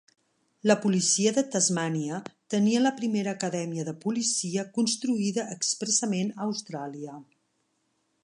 La policia de Tasmània tenia la primera acadèmia de policia construïda expressament a Austràlia.